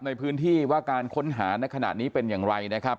ในพื้นที่ว่าการค้นหาในขณะนี้เป็นอย่างไรนะครับ